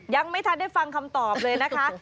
ยังไม่ทันได้ฟังคำตอบเลยนะคะ